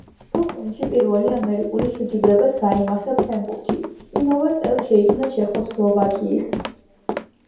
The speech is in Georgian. ბრუკლინში პირველი ამერიკული შეჯიბრებაც გაიმართა ფრენბურთში. იმავე წელს შეიქმნა ჩეხოსლოვაკიის